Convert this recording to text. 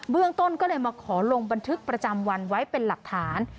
เรื่องต้นก็เลยมาขอลงบันทึกประจำวันไว้เป็นหลักฐาน